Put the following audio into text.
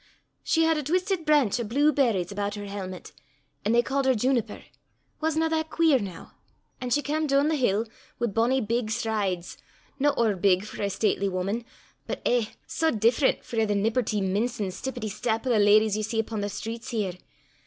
She had a twistit brainch o' blew berries aboot her helmet, an' they ca'd her Juniper: wasna that queer, noo? An' she cam doon the hill wi' bonnie big strides, no ower big for a stately wuman, but eh, sae different frae the nipperty mincin' stippety stap o' the leddies ye see upo' the streets here!